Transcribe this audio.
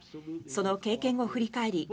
その経験を振り返り